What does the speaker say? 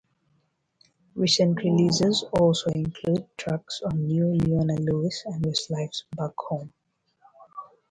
Recent releases also include tracks on new Leona Lewis and Westlife's "Back Home".